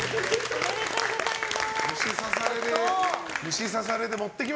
おめでとうございます。